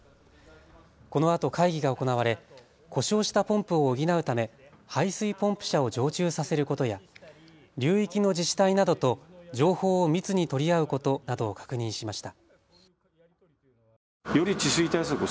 このあと会議が行われ故障したポンプを補うため排水ポンプ車を常駐させることや流域の自治体などと情報を密に取り合うことなどを確認しました。